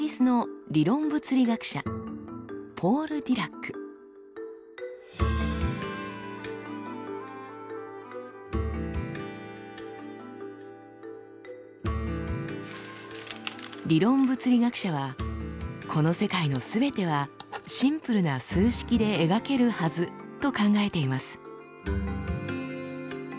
イギリスの理論物理学者はこの世界のすべてはシンプルな数式で描けるはずと考えています。